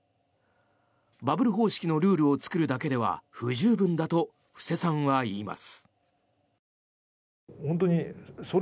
バブル方式のルールを作るだけでは不十分だと布施さんは言います。